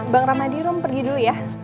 bang rahmadi rum pergi dulu ya